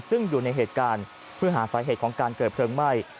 ซึ่งอยู่ในเหตุการณ์เพื่อหาสาเหตุของการเกิดเพลิงไหม้